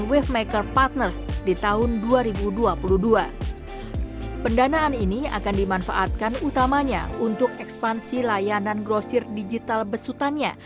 wavemaker partners di tahun dua ribu dua puluh dua pendanaan ini akan dimanfaatkan utamanya untuk ekspansi layanan grosir digital besutannya